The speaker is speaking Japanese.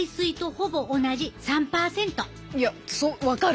いや分かる。